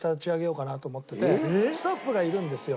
スタッフがいるんですよ。